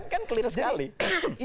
kan clear sekali